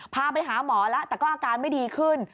พาไปหาหมอแล้วแต่ก็อาการไม่ดีขึ้น